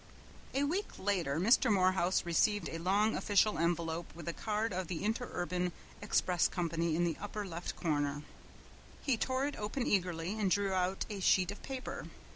A week later Mr. Morehouse received a long official envelope with the card of the Interurban Express Company in the upper left corner. He tore it open eagerly and drew out a sheet of paper.